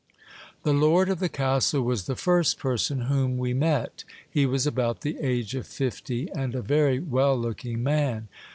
The lord of the castle was the first person whom we met He was about the age of fifty, and a very well looking man.